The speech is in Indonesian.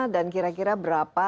dan kira kira berapa